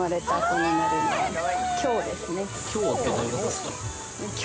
キョウってどういうことですか？